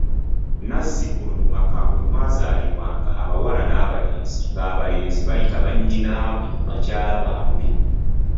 Nnazzikuno mu maka bwe mwazaalibwanga abawala n’abalenzi, ng’abalenzi bayita bannyinaabwe bakyala baabwe.